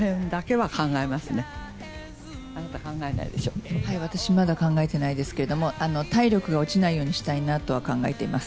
はい、私まだ考えてないですけれども、体力が落ちないようにしたいなとは考えています。